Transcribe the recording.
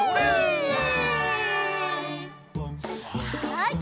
はい。